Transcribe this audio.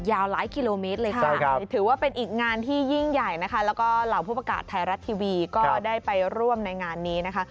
ยาวหลายกิโลเมตรเลยค่ะถือว่าเป็นอีกงานที่ยิ่งใหญ่นะคะแล้วก็เหล่าผู้ประกาศไทยรัฐทีวีก็ได้ไปร่วมในงานนี้นะคะ